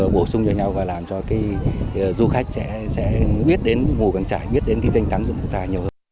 bổ sung cho nhau và làm cho cái du khách sẽ biết đến ngủ bằng trải biết đến cái danh thánh dụng bậc thang nhiều hơn